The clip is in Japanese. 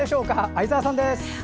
相沢さんです。